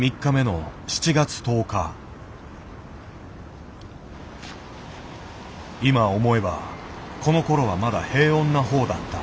今思えばこのころはまだ平穏な方だった。